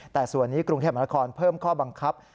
แต่ส่วนนี้กรุงเทพมหานครเพิ่มข้อบังคับ